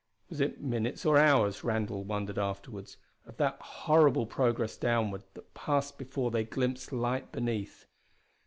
Was it minutes or hours, Randall wondered afterward, of that horrible progress downward, that passed before they glimpsed light beneath?